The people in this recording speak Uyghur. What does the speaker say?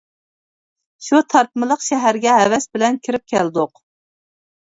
شۇ تارتىملىق شەھەرگە ھەۋەس بىلەن كىرىپ كەلدۇق.